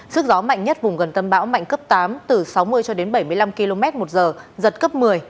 sức gió mạnh nhất vùng gần tâm bão mạnh cấp tám từ sáu mươi cho đến bảy mươi năm km một giờ giật cấp một mươi